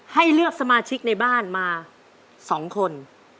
ให้เลือกสมาชิกในบ้านมา๒คน